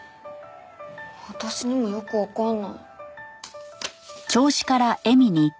私にもよくわかんない。